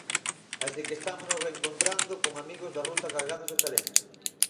Así que estámonos reencontrando con amigos da ruta cargados de talento.